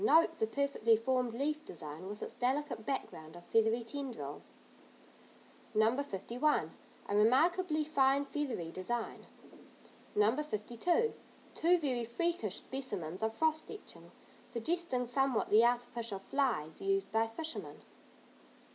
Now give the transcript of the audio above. Note the perfectly formed leaf design with its delicate background of feathery tendrils. No. 51. A remarkably fine feathery design. No. 52. Two very freakish specimens of frost etchings. Suggesting somewhat the artificial "flies" used by fishermen.